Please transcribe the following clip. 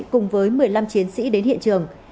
cùng với một mươi năm chiến sĩ đến hiện trường